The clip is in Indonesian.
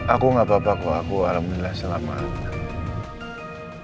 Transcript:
aku nggak apa apa ku aku alhamdulillah selamat